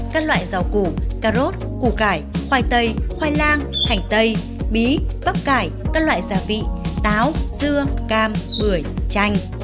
các loại rau củ cà rốt củ cải khoai tây khoai lang hành tây bí bắp cải các loại gia vị táo dưa cam bưởi chanh